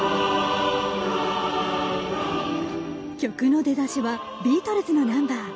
曲の出だしはビートルズのナンバー。